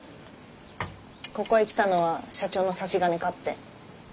ここへ来たのは社長の差し金かって。